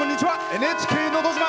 「ＮＨＫのど自慢」。